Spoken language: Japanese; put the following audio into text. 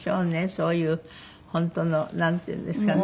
そういう本当のなんていうんですかね。